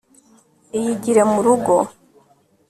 Iyigire murugo